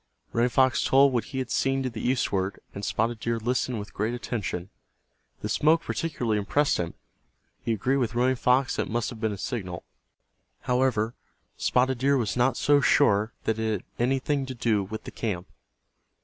Running Fox told what he had seen to the eastward, and Spotted Deer listened with great attention. The smoke particularly impressed him. He agreed with Running Fox that it must have been a signal. However, Spotted Deer was not so sure that it had anything to do with the camp.